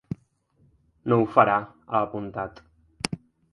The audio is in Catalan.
No ho farà, ha apuntat.